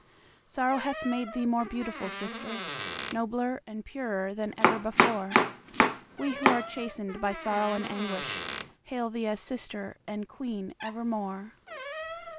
Sorrow hath made thee more beautiful, Sister, Nobler and purer than ever before; We who are chastened by sorrow and anguishHail thee as sister and queen evermore.